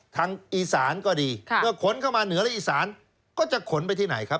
ทางอีสานก็ดีเมื่อขนเข้ามาเหนือและอีสานก็จะขนไปที่ไหนครับ